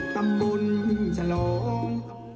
กำลุงฉลอง